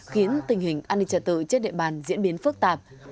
khiến tình hình an ninh trả tự trên địa bàn diễn biến phức tạp